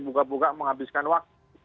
buka buka menghabiskan waktu